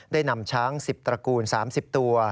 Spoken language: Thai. ได้นำช้าง๑๐ตระกูล๓๐ตัว